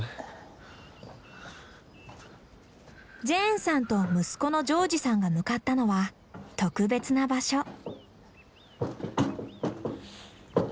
ジェーンさんと息子のジョージさんが向かったのは特別な場所。